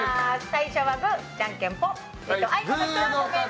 最初はグー、じゃんけんぽん。